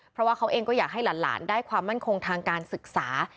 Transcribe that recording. เพราะว่าเขาเองก็อยากให้หลานได้ความมั่นคงทางการศึกษา